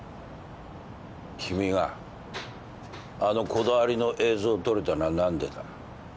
君があのこだわりの映像を撮れたのは何でだ？